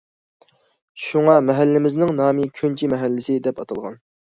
شۇڭا مەھەللىمىزنىڭ نامى كۆنچى مەھەللىسى دەپ ئاتالغان.